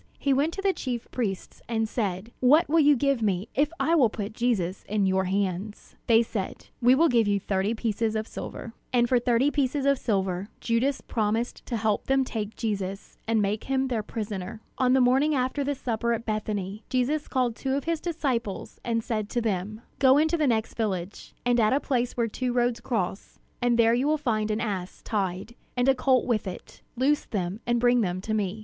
He went to the chief priests, and said: "What will you give me, if I will put Jesus in your hands?" They said, "We will give you thirty pieces of silver." And for thirty pieces of silver Judas promised to help them take Jesus, and make him their prisoner. On the morning after the supper at Bethany, Jesus called two of his disciples, and said to them: "Go into the next village, and at a place where two roads cross; and there you will find an ass tied, and a colt with it. Loose them, and bring them to me.